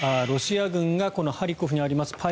ロシア軍がこのハリコフにあります